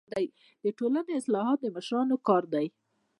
د ټولني اصلاحات د مشرانو کار دی.